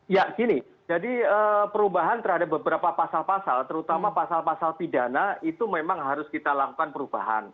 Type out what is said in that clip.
ya gini jadi perubahan terhadap beberapa pasal pasal terutama pasal pasal pidana itu memang harus kita lakukan perubahan